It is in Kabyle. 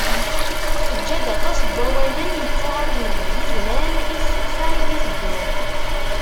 Teǧǧa-d aṭas n wawalen yettuɣalen deg yiznan i tsuta i d-iteddun.